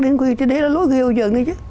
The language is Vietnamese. sinh quy thế đấy là lỗi của hiệu trường đấy chứ